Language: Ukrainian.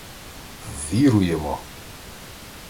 — Ввіруємо!